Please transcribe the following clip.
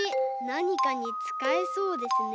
なにかにつかえそうですね。